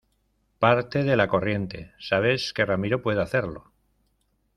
parte de la corriente, sabes que Ramiro puede hacerlo.